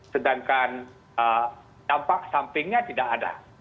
sedangkan dampak sampingnya tidak ada